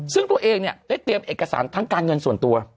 ซึ่งตัวเองเนี่ยได้เตรียมเอกสารทั้งการเงินส่วนตัว